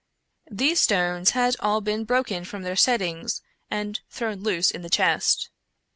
These stones had all been broken from their settings and thrown loose in the chest.